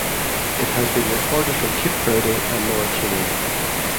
It has been recorded from Cape Verde and Mauritania.